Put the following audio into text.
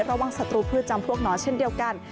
ระหว่างสตรูพืชจำพวกนอนเช่นเดียวกัน